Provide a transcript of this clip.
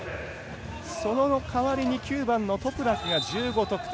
そのかわりに９番のトプラクが１５得点。